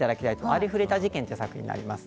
「ありふれた事件」という作品になります。